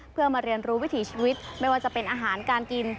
เพื่อมาเรียนรู้วิถีชีวิตไม่ว่าจะเป็นอาหารการกิน